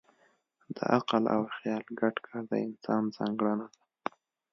د عقل او خیال ګډ کار د انسان ځانګړنه ده.